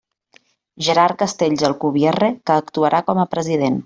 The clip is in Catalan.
Gerard Castells Alcubierre, que actuarà com a president.